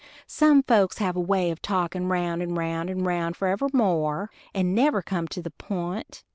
Some folks have a way of talkin' round and round and round forevermore, and never come to the pint.